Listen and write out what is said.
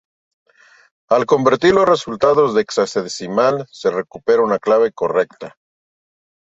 Al convertir los resultados en hexadecimal se recuperaba una clave correcta.